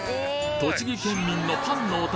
栃木県民のパンのお供